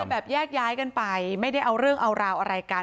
แบบแยกย้ายกันไปไม่ได้เอาเรื่องเอาราวอะไรกัน